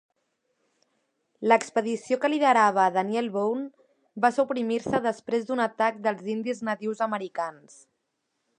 L'expedició que liderava Daniel Boone va suprimir-se després d'un atac dels indis nadius americans.